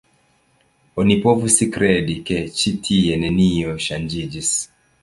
Oni povus kredi, ke ĉi tie nenio ŝanĝiĝis.